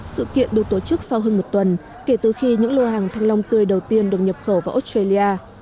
sự kiện được tổ chức sau hơn một tuần kể từ khi những lô hàng thanh long tươi đầu tiên được nhập khẩu vào australia